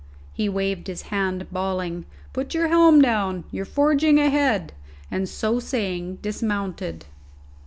He waved his hand, bawling, "Put your helm down you're forging ahead!" and so saying, dismounted.